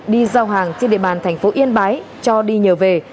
đi giao hàng trên địa bàn thành phố yên bái cho đi nhờ về